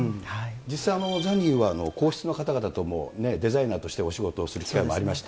実際ザニーは、皇室の方々ともデザイナーとしてお仕事をする機会もありました。